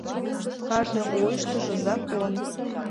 Кажне ойыштыжо «закон».